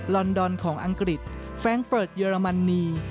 อนดอนของอังกฤษแฟรงเฟิร์ดเยอรมนี